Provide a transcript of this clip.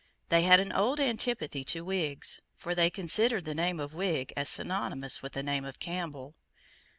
They had an old antipathy to Whigs; for they considered the name of Whig as synonymous with the name of Campbell.